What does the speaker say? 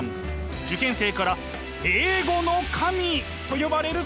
受験生から英語の神と呼ばれる講師だ。